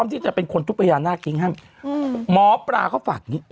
ที่จะเป็นคนทุกประหยานน่าจริงห้ามอืมหมอปลาเขาฝากนี่